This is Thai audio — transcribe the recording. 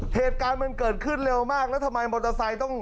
เหตุการณ์มันเกิดขึ้นเร็วมากแล้วทำไมมอเตอร์ไซค์ต้อง